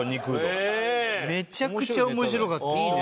めちゃくちゃ面白かったよ。